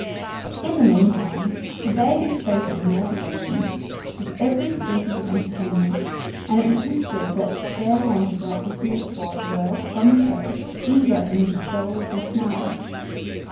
In the meantime, the Bey was feted in all directions, with every species of entertainment, and it was whispered that the fair ones of that dissolute court were, from the first, eager in the bestowal of their smiles.